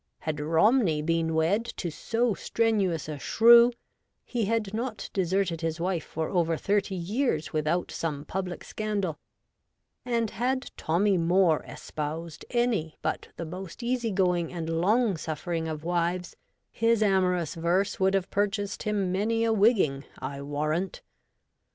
Had Romney been wed to so strenuous a shrew, he had not deserted his wife for over thirty years without some public scandal ; and had Tommy Moore espoused any but the most easy going and long suffering of wives, his amorous verse would have purchased him many a wigging, I SOME ILL MADE MATCHES. 107 warrant.